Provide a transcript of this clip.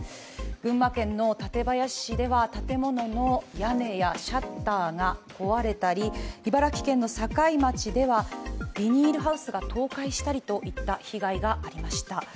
群馬県の館林市では、建物の屋根やシャッターが壊れたり茨城県の境町ではビニールハウスが倒壊したりといった被害がありました。